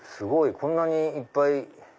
こんなにいっぱい。